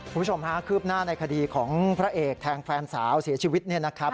คุณผู้ชมค่ะคืบหน้าในคดีของพระเอกแทงแฟนสาวเสียชีวิตเนี่ยนะครับ